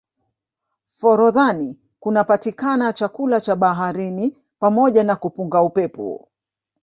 forodhani kunapatikana chakula cha baharini pamoja na kupunga upepo